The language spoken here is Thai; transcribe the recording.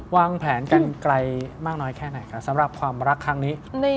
วางแผนกันไกลมากน้อยแค่ไหนคะสำหรับความรักครั้งนี้